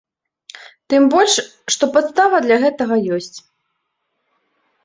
Тым больш, што падстава для гэтага ёсць.